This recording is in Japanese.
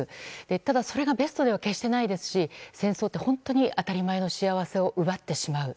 ただ、それがベストでは決してないですし戦争って、本当に当たり前の幸せを奪ってしまう。